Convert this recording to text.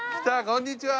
こんにちは。